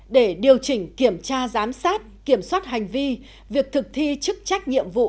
để điều chỉnh kiểm tra giám sát kiểm soát hành vi việc thực thi chức trách nhiệm vụ